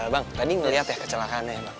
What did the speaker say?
bang tadi melihat ya kecelakaannya ya bang